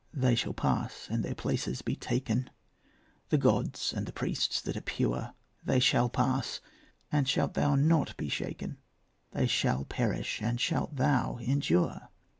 They shall pass and their places be taken, The gods and the priests that are pure. They shall pass, and shalt thou not be shaken? They shall perish, and shalt thou endure?